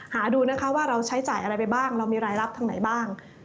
หาดูนะคะว่าเราใช้จ่ายอะไรไปบ้างเรามีรายรับทางไหนบ้าง